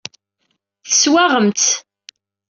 Teswaɣem-tt.